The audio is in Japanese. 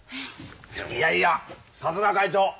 いやいやさすが会長。